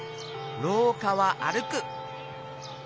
「ろうかはあるく」。